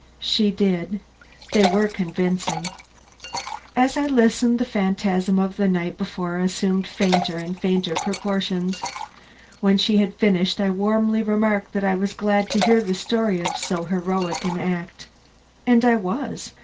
She did. They were convincing. As I listened, the phantasm of the night before assumed fainter and fainter proportions. When she had finished I warmly remarked that I was glad to hear the story of so heroic an act. And I was.